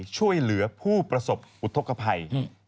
ช่วยเหลือผู้ประสบอุทธกภัย